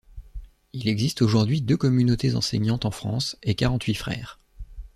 Il existe aujourd'hui deux communautés enseignantes en France et quarante-huit frères.